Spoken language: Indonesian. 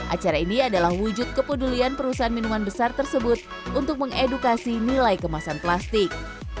acara ini adalah wujud kepedulian perusahaan minuman besar tersebut untuk mengedukasi nilai kemasan plastik